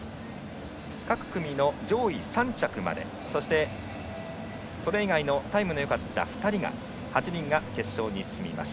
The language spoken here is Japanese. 各組の上位３着までそして、それ以外のタイムのよかった２人８人が決勝に進みます。